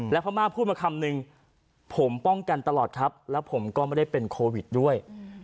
พม่าพูดมาคำนึงผมป้องกันตลอดครับแล้วผมก็ไม่ได้เป็นโควิดด้วย